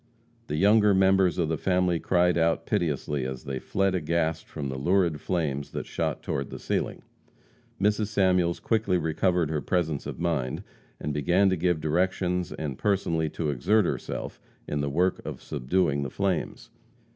The younger members of the family cried out piteously as they fled aghast from the lurid flames that shot toward the ceiling. Mrs. Samuels quickly recovered her presence of mind, and began to give directions and personally to exert herself in the work of subduing the flames.